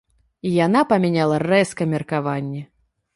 І яна памяняла рэзка меркаванне.